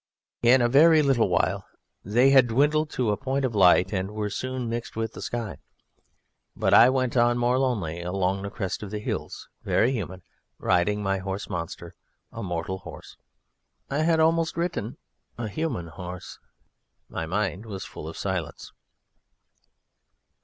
In a very little while they had dwindled to a point of light and were soon mixed with the sky. But I went on more lonely along the crest of the hills, very human, riding my horse Monster, a mortal horse I had almost written a human horse. My mind was full of silence.